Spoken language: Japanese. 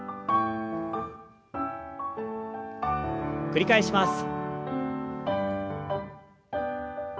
繰り返します。